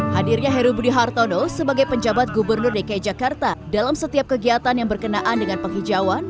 hadirnya heru budi hartono sebagai penjabat gubernur dki jakarta dalam setiap kegiatan yang berkenaan dengan penghijauan